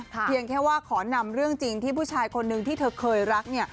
เพียงแค่ว่าขอนำเรื่องจริงที่ผู้ชายคนนึงที่เธอเคยรัก